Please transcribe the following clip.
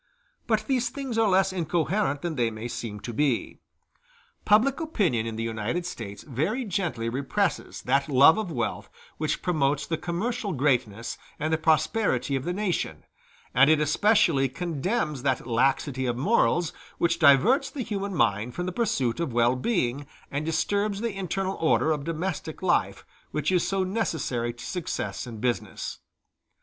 But these things are less incoherent than they seem to be. Public opinion in the United States very gently represses that love of wealth which promotes the commercial greatness and the prosperity of the nation, and it especially condemns that laxity of morals which diverts the human mind from the pursuit of well being, and disturbs the internal order of domestic life which is so necessary to success in business.